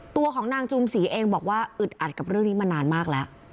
ตัวของนางจูมศรีเองบอกว่าอึดอัดกับเรื่องนี้มานานมากแล้ว